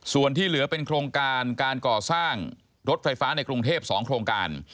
ส่วนที่เหลือเป็นโครงการการก่อสร้างรถไฟฟ้าในกรุงเทพ๒โครงการ